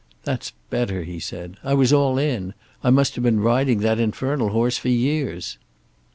"That's better," he said. "I was all in. I must have been riding that infernal horse for years."